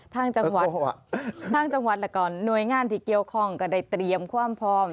ทางจังหวัดละก่อนนวยงานที่เกี่ยวข้องก็ได้เตรียมความพร้อม